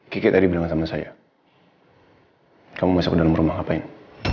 kiki tadi bilang sama saya kamu masuk ke dalam rumah ngapain